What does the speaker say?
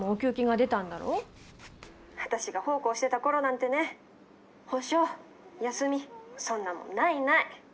「私が奉公してた頃なんてね補償休みそんなもんないない」。